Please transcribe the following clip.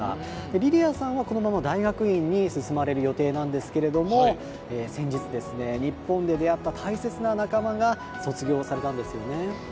リリアさんは、このまま大学院に進まれる予定なんですけれども先日、日本で出会った大切な仲間が卒業されたんですよね。